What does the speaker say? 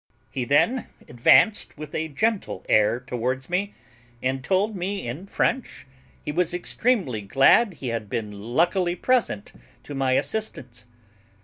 He then advanced with a gentle air towards me, and told me in French he was extremely glad he had been luckily present to my assistance.